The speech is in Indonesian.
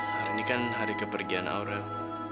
hari ini kan hari kepergian orang